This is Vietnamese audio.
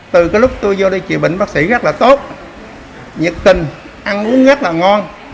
từ cái lúc tôi vô đi chữa bệnh bác sĩ rất là tốt nhiệt tình ăn uống rất là ngon